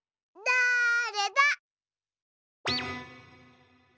だれだ？